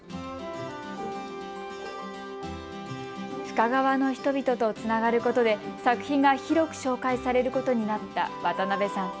深川の人々とつながることで作品が広く紹介されることになった渡部さん。